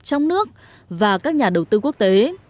trong nước và các nhà đầu tư quốc tế